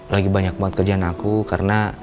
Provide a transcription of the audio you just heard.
lagi banyak buat kerjaan aku karena